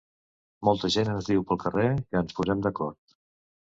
Molta gent ens diu pel carrer que ens posem d’acord.